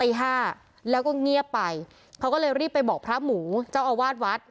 ห้าแล้วก็เงียบไปเขาก็เลยรีบไปบอกพระหมูเจ้าอาวาสวัด